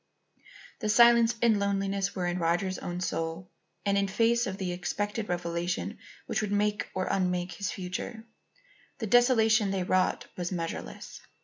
The silence and the loneliness were in Roger's own soul; and, in face of the expected revelation which would make or unmake his future, the desolation they wrought was measureless.